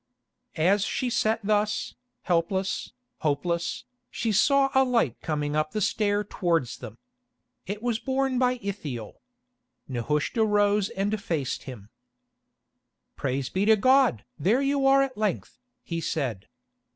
As she sat thus, helpless, hopeless, she saw a light coming up the stair towards them. It was borne by Ithiel. Nehushta rose and faced him. "Praise be to God! there you are at length," he said.